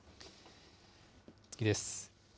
次です。